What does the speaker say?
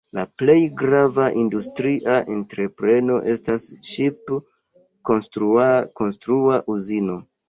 La plej grava industria entrepreno estas ŝip-konstrua uzino.